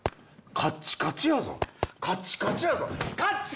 カッチカチやぞ！